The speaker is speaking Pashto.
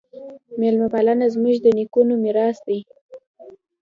میلمه پالنه زموږ د نیکونو میراث دی.